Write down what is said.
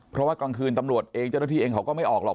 เพราะว่ากลางคืนตำรวจอ่ายชีวิตเองก็ไม่ออกหรอก